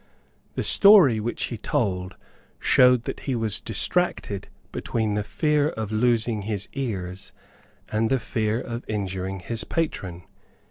The story which he told showed that he was distracted between the fear of losing his ears and the fear of injuring his patron.